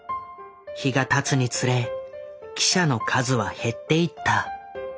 日がたつにつれ記者の数は減っていった。